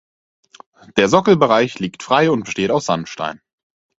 Der Sockelbereich liegt frei und besteht aus Sandstein.